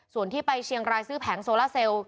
ส่วนที่ไปเชียงรายซื้อแผงโซล่าเซลล